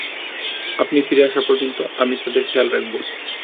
আপনি ফিরে আসা পর্যন্ত আমি তাদের খেয়াল রাখব।